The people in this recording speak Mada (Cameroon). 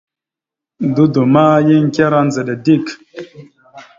Dodo ma, yan ekará ndzəɗa dik.